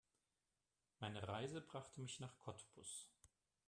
Meine Reise brachte mich nach Cottbus